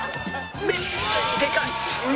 めっちゃでかい！